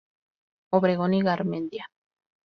Obregón y Garmendia.